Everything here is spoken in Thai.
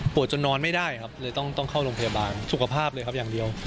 จนนอนไม่ได้ครับเลยต้องเข้าโรงพยาบาลสุขภาพเลยครับอย่างเดียว